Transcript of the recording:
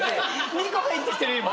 ２個入ってきてる今。